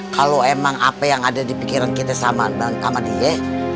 kalau emang apa yang ada di pikiran kita sama bang ahmadiyah